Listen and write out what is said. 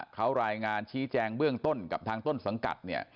เขารายงานชี้แจงเบื้องต้นกับทางต้นสังกัดเนี่ย